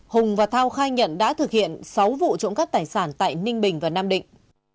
hùng và thao khai nhận đã thực hiện sáu vụ trộm cắp tài sản tại ninh bình và nam định